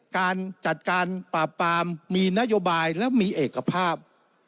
การจัดการปราบปรามมีนโยบายและมีเอกภาพ